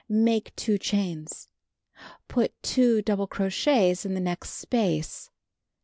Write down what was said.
Make 2 chains. Put 2 double crochets in the next space.